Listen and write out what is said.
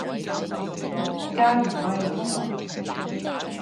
加連威老道